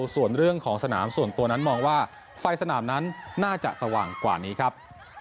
ส่วนเรื่องของสนามส่วนตัวนั้นมองว่าไฟสนามนั้นน่าจะสว่างกว่านี้ครับ